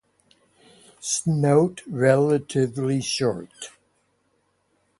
Snout relatively short.